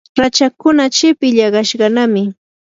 rachakkuna chip illaqayashqanami.